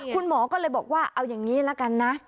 คุณหมอก็เลยบอกว่าเอาอย่างนี้ละกันนะ